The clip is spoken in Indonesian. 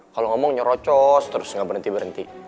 kalo ngomong nyorocos terus gak berhenti berhenti